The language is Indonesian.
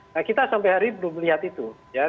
nah kita sampai hari ini belum melihat itu